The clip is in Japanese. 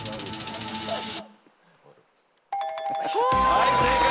はい正解。